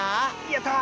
やった！